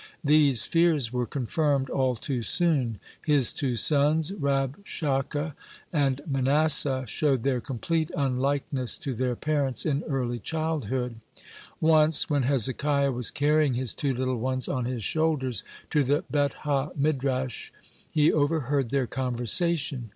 These fears were confirmed all too soon. His two sons, Rabshakeh and Manasseh, showed their complete unlikeness to their parents in early childhood. Once, when Hezekiah was carrying his two little ones on his shoulders to the Bet ha Midrash, he overheard their conversation.